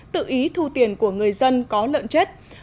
tự ý thu tiền của người dân có lợn chết